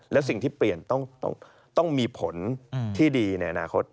และสิ่งที่เปลี่ยนต้องมีผลที่ดีในอนาคต